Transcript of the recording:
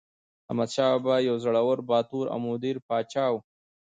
احمدشاه بابا یو زړور، باتور او مدبر پاچا و.